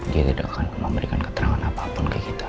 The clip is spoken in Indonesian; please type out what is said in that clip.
dia tidak akan memberikan keterangan apapun ke kita